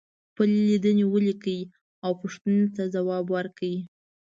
خپلې لیدنې ولیکئ او پوښتنو ته ځواب ورکړئ.